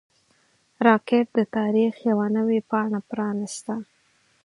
راکټ د تاریخ یوه نوې پاڼه پرانیسته